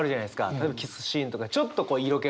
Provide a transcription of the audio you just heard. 例えばキスシーンとかちょっと色気のある。